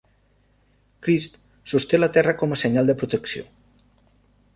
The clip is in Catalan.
Crist sosté la Terra com a senyal de protecció.